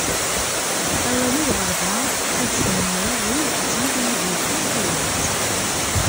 Awal-iw ɣer da, ad snemmreɣ wid d tid i yi-d-yefkan tallelt.